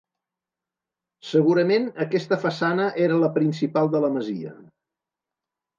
Segurament aquesta façana era la principal de la masia.